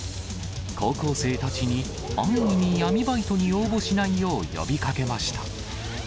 高校生たちに、安易に闇バイトに応募しないよう呼びかけました。